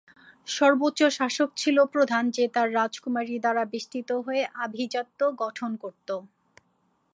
সর্বোচ্চ শাসক ছিল প্রধান যে তার রাজকুমারী দ্বারা বেষ্টিত হয়ে আভিজাত্য গঠন করত।